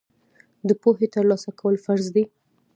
د پوهې ترلاسه کول فرض دي.